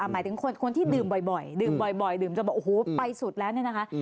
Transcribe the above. หมายถึงคนที่ดื่มบ่อยดื่มบ่อยดื่มจนบอกโอ้โหไปสุดแล้วเนี่ยนะคะ